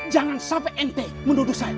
jangan sampai mt menuduh saya